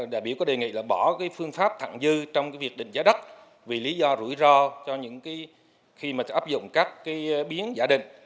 đại biểu có đề nghị bỏ phương pháp thẳng dư trong việc định giá đất vì lý do rủi ro khi áp dụng các biến giả định